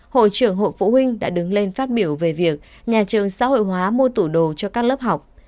hội trưởng hội phụ huynh đã đứng lên phát biểu về việc nhà trường xã hội hóa mua tủ đồ cho các lớp học